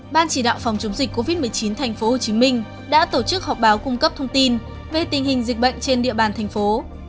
ban chỉ đạo phòng chống dịch covid một mươi chín tp hcm đã tổ chức họp báo cung cấp thông tin về tình hình dịch bệnh trên địa bàn thành phố